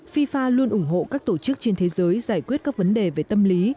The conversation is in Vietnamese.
fifa luôn ủng hộ các tổ chức trên thế giới giải quyết các vấn đề về tâm lý